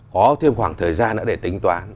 có thêm khoảng thời gian nữa để tính toán